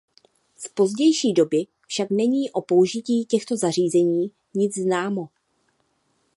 Z pozdější doby však není o použití těchto zařízení nic známo.